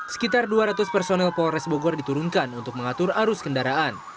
sekitar dua ratus personel polres bogor diturunkan untuk mengatur arus kendaraan